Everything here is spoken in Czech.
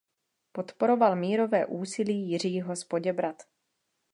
Podporoval mírové úsilí Jiřího z Poděbrad.